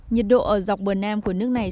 nhiệt độ ở dọc bờ nam của nước này